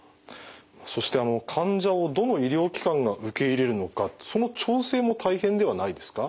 そして患者をどの医療機関が受け入れるのかその調整も大変ではないですか？